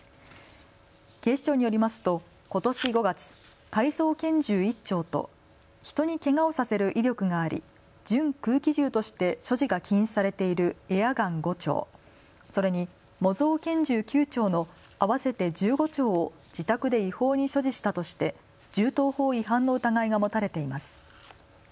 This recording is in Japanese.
警視庁によりますとことし５月、改造拳銃１丁と人にけがをさせる威力があり準空気銃として所持が禁止されているエアガン５丁、それに模造拳銃９丁の合わせて１５丁を自宅で違法に所持したとして銃刀法違反の疑いが持たれています。